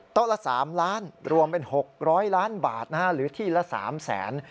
ละ๓ล้านรวมเป็น๖๐๐ล้านบาทนะฮะหรือที่ละ๓แสน